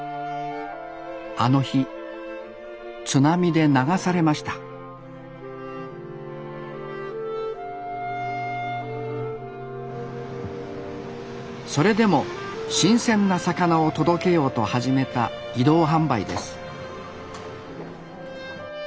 あの日津波で流されましたそれでも新鮮な魚を届けようと始めた移動販売です